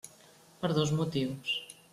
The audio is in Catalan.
Per dos motius.